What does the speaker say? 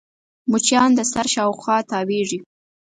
مچان د سر شاوخوا تاوېږي